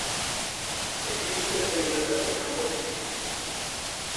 Ezin dute zeluletatik kanpo bizi.